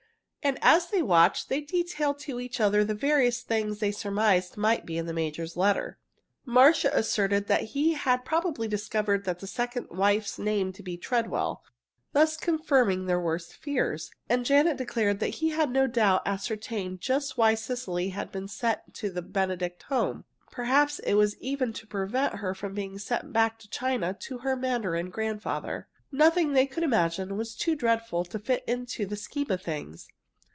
And as they watched they detailed to each other the various things they surmised might be in the major's letter. Marcia asserted that he had probably discovered the second wife's name to be Treadwell, thus confirming their worst fears. And Janet declared that he had no doubt ascertained just why Cecily had been sent to the Benedict home. Perhaps it was even to prevent her being sent back to China to her mandarin grandfather. Nothing they could imagine was too dreadful to fit into the scheme of things.